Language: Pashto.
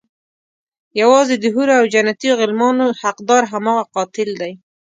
يوازې د حورو او جنتي غلمانو حقدار هماغه قاتل دی.